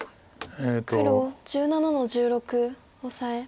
黒１７の十六オサエ。